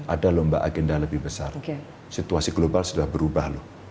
ada lomba agenda lebih besar situasi global sudah berubah loh